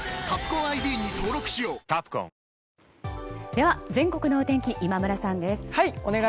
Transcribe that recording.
では、全国のお天気今村さんです。